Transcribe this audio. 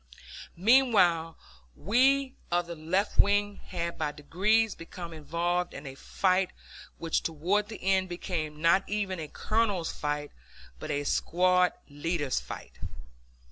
Meanwhile we of the left wing had by degrees become involved in a fight which toward the end became not even a colonel's fight, but a squad leader's fight.